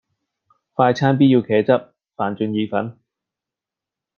快餐 B 要茄汁,飯轉意粉